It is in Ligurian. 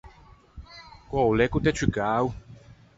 Quæ o l’é ch’o t’é ciù cao?